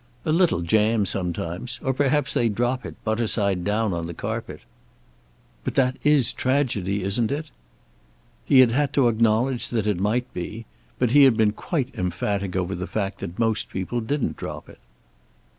"A little jam, sometimes. Or perhaps they drop it, butter side down, on the carpet." "But that is tragedy, isn't it?" He had had to acknowledge that it might be. But he had been quite emphatic over the fact that most people didn't drop it.